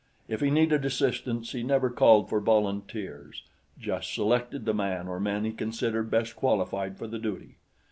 If he needed assistance, he never called for volunteers just selected the man or men he considered best qualified for the duty.